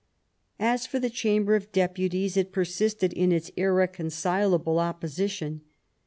As for the Chamber of Deputies, it persisted in its irreconcilable opposition.